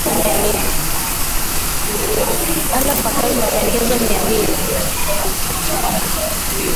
mahala pa kazi mapendekezo mia mbili